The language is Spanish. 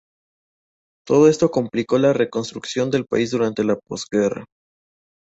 Todo esto complicó la reconstrucción del país durante la posguerra.